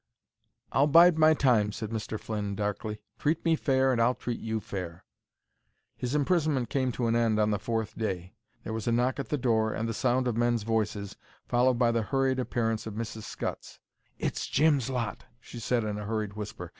"I'll bide my time," said Mr. Flynn, darkly. "Treat me fair and I'll treat you fair." His imprisonment came to an end on the fourth day. There was a knock at the door, and the sound of men's voices, followed by the hurried appearance of Mrs. Scutts. "It's Jim's lot," she said, in a hurried whisper.